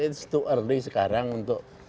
it's too early sekarang untuk